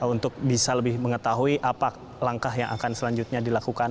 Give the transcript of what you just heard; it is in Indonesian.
untuk bisa lebih mengetahui apa langkah yang akan selanjutnya dilakukan